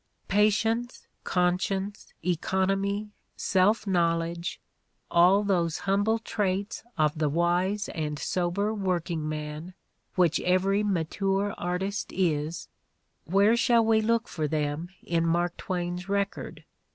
Patience, conscience, economy, self knowledge, all those humble traits of the wise and sober workingman which every mature artist is — where shall we look for them in Mark Twain's record?